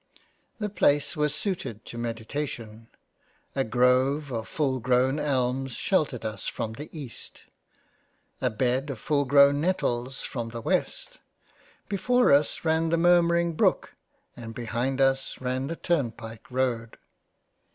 The place was suited to meditation. A grove of full grown Elms sheltered us from the East —. A Bed of full grown Nettles from the West —. Before us ran the murmuring brook and behind us ran the turn pike road.